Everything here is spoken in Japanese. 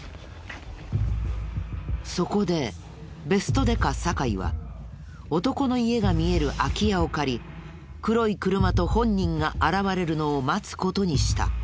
そこでベストデカ酒井は男の家が見える空き家を借り黒い車と本人が現れるのを待つ事にした。